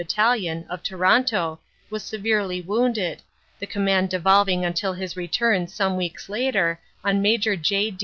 Battalion, of Toronto, was severely wounded, the command devolving until his return some weeks later on Maj. J.